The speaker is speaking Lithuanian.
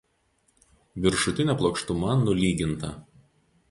Viršutinė plokštuma nulyginta.